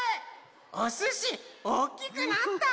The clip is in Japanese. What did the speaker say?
おすしおっきくなった？